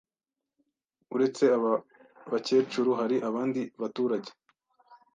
Uretse aba bakecuru hari abandi baturage